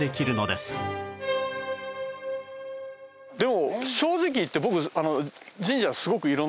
でも正直言って僕神社